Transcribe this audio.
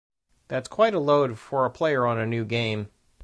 That's quite a load for a player on a new game.